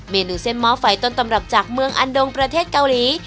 เมนูเส้นหม้อไฟต้นตำรับจากเมืองอันดงประเทศเกาหลี